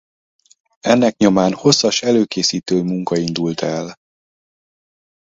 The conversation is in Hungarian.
Ennek nyomán hosszas előkészítő munka indult el.